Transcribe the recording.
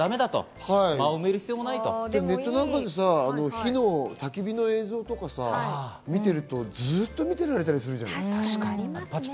ネットなんかで、たき火の映像とかを見てるとずっと見てられたりするじゃない？